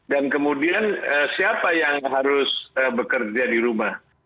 dan kemudian siapa yang harus bekerja di rumah